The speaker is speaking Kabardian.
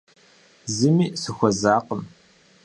Зыми сыхуэзакъым.